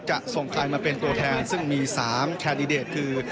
จะส่งใครมาเป็นตัวแทนซึ่งมี๓แคนดิเดตคือ